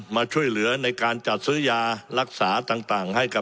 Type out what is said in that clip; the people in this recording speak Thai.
มาช่วยเหลือในการจัดซื้อยารักษาต่างให้กับ